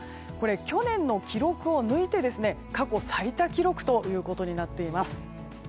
去年の記録を抜いて過去最多記録ということになっています。